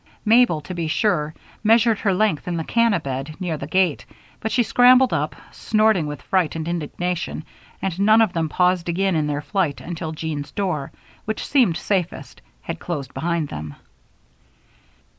Mabel, to be sure, measured her length in the canna bed near the gate, but she scrambled up, snorting with fright and indignation, and none of them paused again in their flight until Jean's door, which seemed safest, had closed behind them.